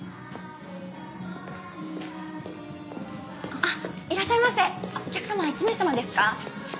あっいらっしゃいませお客様１名様ですか？